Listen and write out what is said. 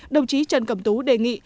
đồng chí trần cẩm tú đề nghị